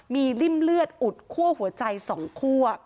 มีริ่มเลือดอุดขั้วหัวใจสองขั้ว